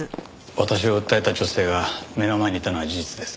私を訴えた女性が目の前にいたのは事実です。